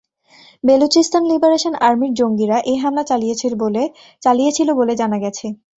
Balochistan liberation আর্মির জঙ্গিরা এ হামলা চালিয়েছিল বলে জানা গেছে।